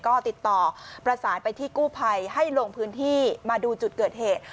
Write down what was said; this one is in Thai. ก็ติดต่อประสานไปที่กู้ภัยให้ลงพื้นที่มาดูจุดเกิดเหตุ